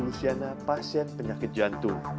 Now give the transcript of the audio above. luciana pasien penyakit jantung